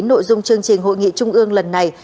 nội dung chương trình hội nghị trung ương lần này